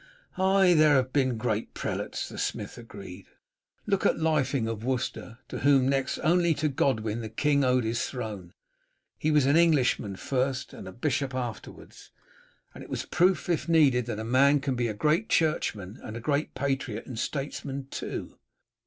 "Ay, there have been great prelates," the smith agreed. "Look at Lyfing of Worcester, to whom next only to Godwin the king owed his throne. He was an Englishman first and a bishop afterwards, and was a proof, if needed, that a man can be a great churchman and a great patriot and statesman too.